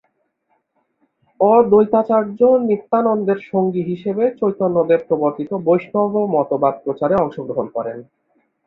অদ্বৈতাচার্য নিত্যানন্দের সঙ্গী হিসেবে চৈতন্যদেব প্রবর্তিত বৈষ্ণব মতবাদ প্রচারে অংশগ্রহণ করেন।